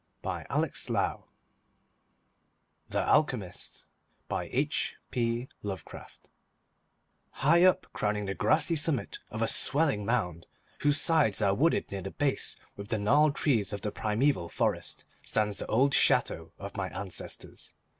NOVEMBER, 1916 The Alchemist High up, crowning the grassy summit of a swelling mound whose sides are wooded near the base with the gnarled trees of the primeval forest, stands the old chateau of my ancestors.